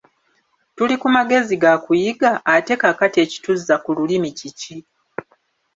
Tuli ku magezi ga kuyiga, ate kaakati ekituzza ku lulimi kiki?